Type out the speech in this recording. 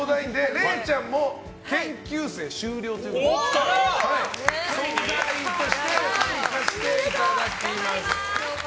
れいちゃんも研究生終了ということで相談員として参加していただきます。